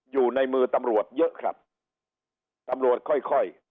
อยู่ในมือตำรวจเยอะครับตำรวจค่อยค่อย